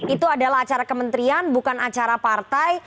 itu adalah acara kementerian bukan acara partai